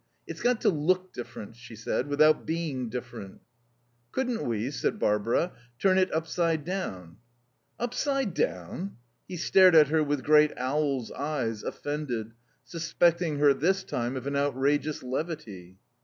"It's got to look different," she said, "without being different." "Couldn't we," said Barbara, "turn it upside down?" "Upside down?" He stared at her with great owl's eyes, offended, suspecting her this time of an outrageous levity.